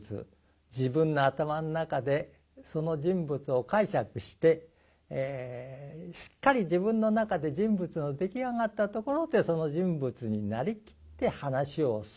自分の頭の中でその人物を解釈してしっかり自分の中で人物が出来上がったところでその人物になりきって噺を進める。